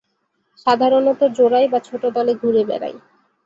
সাধারণত জোড়ায় বা ছোট দলে ঘুরে বেড়ায়।